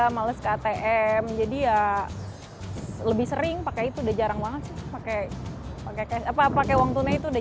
males ktm jadi ya lebih sering pakai itu udah jarang banget pakai pakai uang tundai itu udah